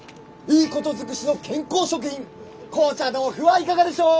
いいこと尽くしの健康食品紅茶豆腐はいかがでしょう！